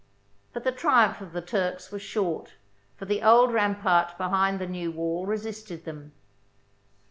But the triumph of the Turks was short, for the old rampart behind the new wall resisted them.